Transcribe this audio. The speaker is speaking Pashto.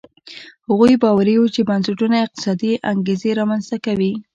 هغوی باوري وو چې بنسټونه اقتصادي انګېزې رامنځته کوي.